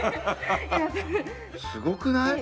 すごくない？